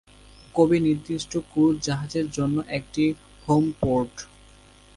Kobe নির্দিষ্ট cruise জাহাজের জন্য একটি হোম পোর্ট।